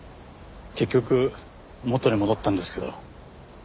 結局元に戻ったんですけど。